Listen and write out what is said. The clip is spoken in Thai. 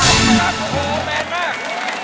ตัวช่วยของโอ้แมนมาก